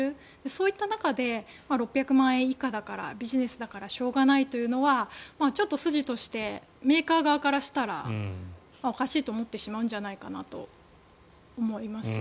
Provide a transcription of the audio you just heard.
そういった中で６００万円以下だからビジネスだからしょうがないというのはちょっと筋としてメーカー側からしたらおかしいと思ってしまうんじゃないかなと思います。